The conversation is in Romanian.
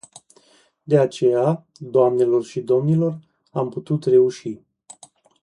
De aceea, doamnelor și domnilor, am putut reuși.